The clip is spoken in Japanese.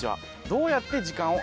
・どうやって時間を？